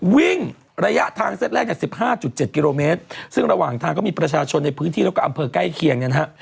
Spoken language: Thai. ระยะทางเซตแรกเนี่ย๑๕๗กิโลเมตรซึ่งระหว่างทางก็มีประชาชนในพื้นที่แล้วก็อำเภอใกล้เคียงเนี่ยนะฮะ